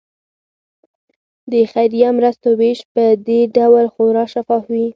د خیریه مرستو ویش په دې ډول خورا شفاف وي.